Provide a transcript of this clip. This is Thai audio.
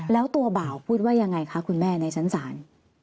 แล้วตัวบ่าวพูดว่ายังไงคะคุณแม่ในชั้นศาล